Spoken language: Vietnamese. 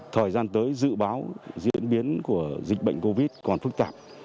thời gian tới dự báo diễn biến của dịch bệnh covid còn phức tạp